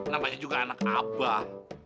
namanya juga anak abah